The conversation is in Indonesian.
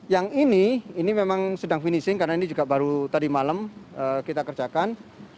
yang ini ini memang sedang finishing karena ini juga baru tadi malam kita kerjakan